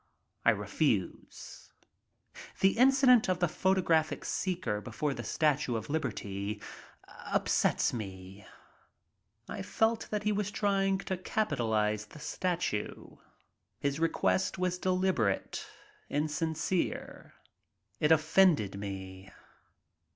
I refuse. The incident of the photographic seeker before the Statue of Liberty upset me. I felt that he was trying to capitalize the statue. His request was deliberate, insincere. It offended me.